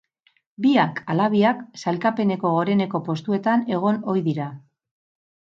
Biak ala biak sailkapeneko goreneko postuetan egon ohi dira.